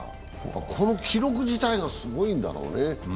この記録自体がすごいんだろうね。